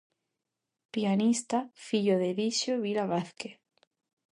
Pianista, fillo de Elixio Vila Vázquez.